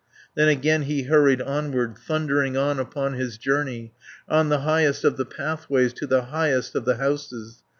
Then again he hurried onward, Thundering on upon his journey, On the highest of the pathways, To the highest of the houses.